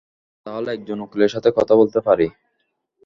তাহলে একজন উকিলের সাথে কথা বলতে পারি।